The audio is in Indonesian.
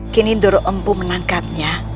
kini doro empu menangkapnya